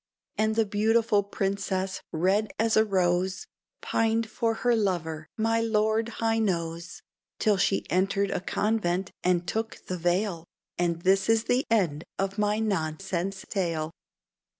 And the beautiful Princess Red as a Rose Pined for her lover, my Lord High Nose, Till she entered a convent and took the veil And this is the end of my nonsense tale.